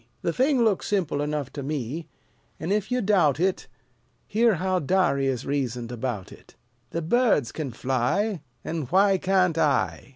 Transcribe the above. The thing looks simple enough to me; And, if you doubt it, Hear how Darius reasoned about it. "The birds can fly, an' why can't I?